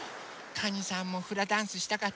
かにさんもフラダンスしたかったのね。